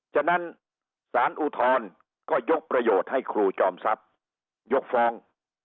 ฉะนั้นสารอุทธรณ์ก็ยกประโยชน์ให้ครูจอมทรัพย์ยกฟ้อง